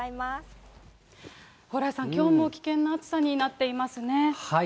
蓬莱さん、きょうも危険な暑さになっていますね。